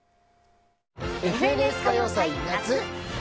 「ＦＮＳ歌謡祭夏」。